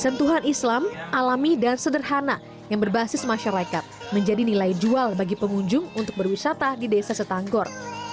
sentuhan islam alami dan sederhana yang berbasis masyarakat menjadi nilai jual bagi pengunjung untuk berwisata di desa setanggor